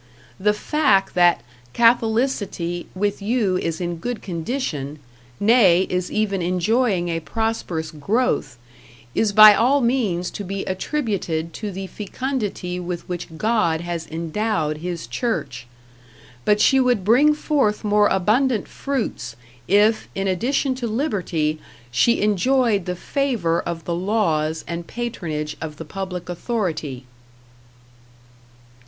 The fact that Catholicity with you is in good condition, nay, is even enjoying a prosperous growth, is by all means to be attributed to the fecundity with which God has endowed His Church But she would bring forth more abundant fruits if, in addition to liberty, she enjoyed the favor of the laws and patronage of the public authority.